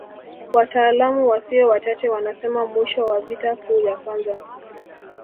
Wataalamu wasio wachache wanasema mwisho wa vita kuu ya kwanza